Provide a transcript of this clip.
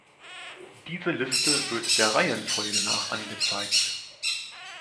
Diese Liste wird der Reihenfolge nach angezeigt.